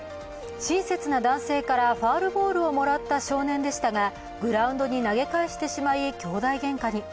親切な男性からファウルボールをもらった少年でしたがグラウンドに投げ返してしまい兄弟げんかに。